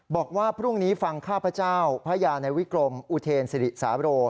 บอกว่าพรุ่งนี้ฟังข้าพเจ้าพระยาในวิกรมอุเทรนสิริสาโร